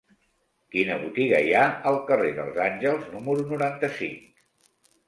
Quina botiga hi ha al carrer dels Àngels número noranta-cinc?